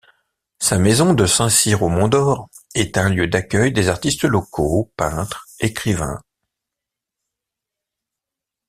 Sa maison de Saint-Cyr-au-Mont-d'Or est un lieu d'accueil des artistes locaux, peintres, écrivains.